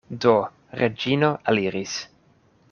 Do Reĝino eliris.